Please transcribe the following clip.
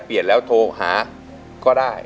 เปลี่ยนแล้วโทรหาก็ได้